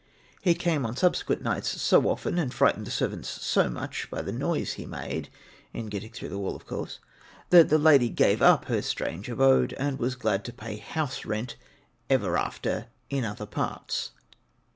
He came on subsequent nights so often, and frightened the servants so much by the noise he made in getting through the wall, of course that the lady gave up her strange abode, and was glad to pay house rent ever after in other parts.